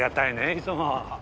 いつも。